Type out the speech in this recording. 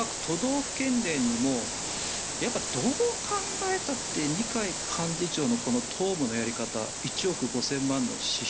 府県連にもやっぱりどう考えたって二階幹事長の党務のやり方１億５０００万円の支出